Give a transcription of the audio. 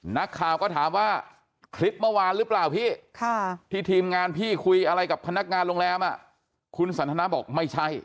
นักข่าวก็ถามว่าคลิปเมื่อวานหรือเปล่าพี่ที่ทีมงานพี่คุยอะไรกับพนักงานโรงแรมคุณสันทนาบอกไม่ใช่